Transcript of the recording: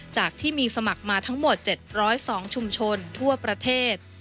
จากที่มีสมัครมาทั้งหมด๗๐๒ชุมชนทั่วประเทศ